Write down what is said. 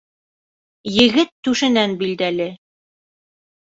Егет түшенән билдәле.